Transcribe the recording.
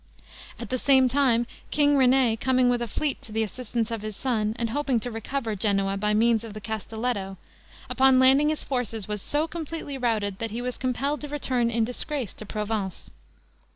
At the same time, King René coming with a fleet to the assistance of his son, and hoping to recover Genoa by means of the castelletto, upon landing his forces was so completely routed, that he was compelled to return in disgrace to Provence.